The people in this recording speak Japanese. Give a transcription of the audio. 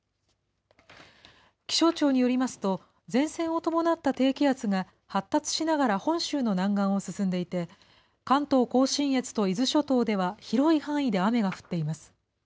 気象庁によりますと、前線を伴った低気圧が発達しながら本州の南岸を進んでいて、関東甲信越と伊豆諸島では広い範囲で雨が降っています。